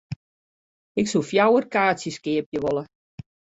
Ik soe fjouwer kaartsjes keapje wolle.